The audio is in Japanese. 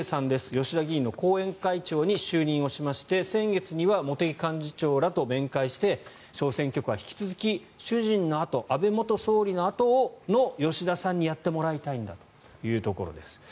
吉田議員の後援会長に就任しまして、先月には茂木幹事長らと面会して小選挙区は引き続き主人の後、安倍元総理の後を吉田さんにやってもらいたいんだということです。